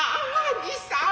兄さん